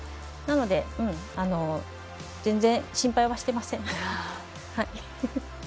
なので全然、心配はしてません。